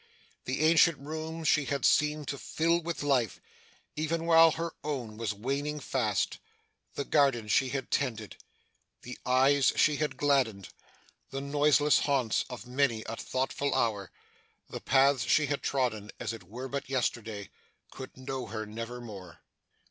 The ancient rooms she had seemed to fill with life, even while her own was waning fast the garden she had tended the eyes she had gladdened the noiseless haunts of many a thoughtful hour the paths she had trodden as it were but yesterday could know her never more.